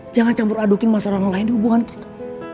jangan campur adukin masalah orang lain di hubungan kita